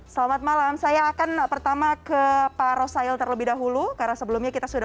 selamat malam saya akan pertama ke pak rosail terlebih dahulu karena sebelumnya kita sudah